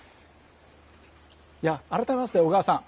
改めまして小川さん